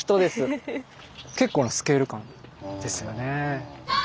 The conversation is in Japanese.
結構なスケール感ですよね。